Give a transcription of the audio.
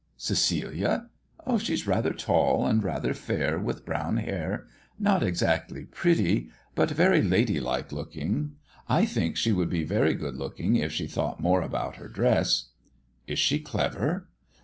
"Cecilia? She is rather tall and rather fair, with brown hair. Not exactly pretty, but very ladylike looking. I think she would be very good looking if she thought more about her dress." "Is she clever?"